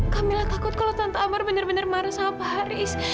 kamilah takut kalau tante amar benar benar maru sama pak haris